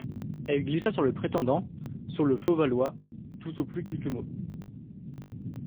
Elle glissa sur le prétendant, sur le faux Valois, tout au plus quelques mots.